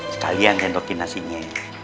sekalian tentokin nasinya